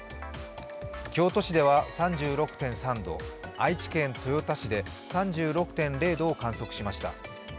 京都市では３６．３度愛知県豊田市で３６．０度を観測しました。